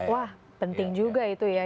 wah penting juga itu ya